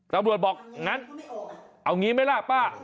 ตำรวจบอกงั้นเอางี้ไหมล่ะป้า